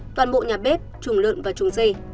toàn bộ nhà bếp trùng lợn và trùng dê